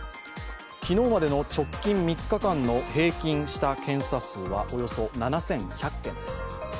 昨日までの直近３日間の平均した検査数はおよそ７１００件です。